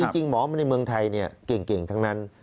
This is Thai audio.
จริงหมอมาในเมืองไทยเก่งทั้งนั้น